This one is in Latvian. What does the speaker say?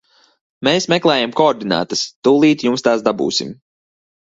Mēs meklējam koordinātas, tūlīt jums tās dabūsim.